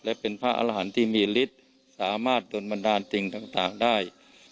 และเป็นพระอาหารที่มีฤทธิ์สามารถโดนบันดาลจริงต่างได้